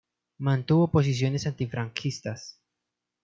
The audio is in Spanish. Mantuvo posiciones antifranquistas.